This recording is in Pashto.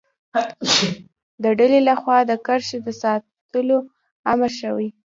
د ډلې له خوا د کرښې د ساتلو امر شوی.